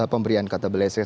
pemberian kata belasnya